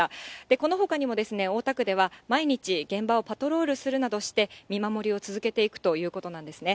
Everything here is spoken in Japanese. このほかにも、大田区では毎日、現場をパトロールするなどして、見守りを続けていくということなんですね。